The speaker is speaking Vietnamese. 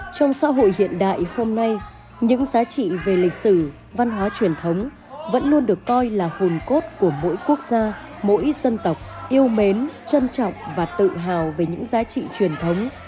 trong xã hội hiện đại hôm nay những giá trị về lịch sử văn hóa truyền thống vẫn luôn được coi là hồn cốt của mỗi quốc gia mỗi dân tộc yêu mến trân trọng và tự hào về những giá trị truyền thống